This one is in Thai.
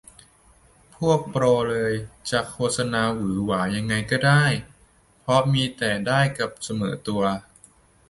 พวกโปรเลยจะโฆษณาหวือหวายังไงก็ได้ เพราะมีแต่ได้กับเสมอตัว